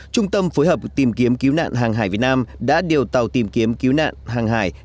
trung tâm phối hợp tìm kiếm cứu nạn hàng hải việt nam đã điều tàu tìm kiếm cứu nạn hàng hải